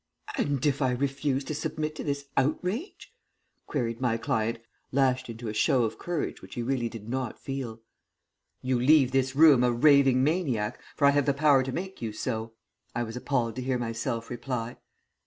"'And if I refuse to submit to this outrage?' queried my client, lashed into a show of courage which he really did not feel. "'You leave this room a raving maniac, for I have the power to make you so,' I was appalled to hear myself reply."